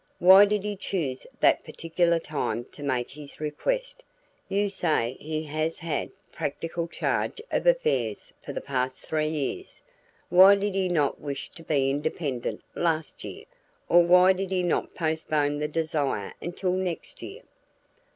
Why did he choose that particular time to make his request? You say he has had practical charge of affairs for the past three years. Why did he not wish to be independent last year? Or why did he not postpone the desire until next year?"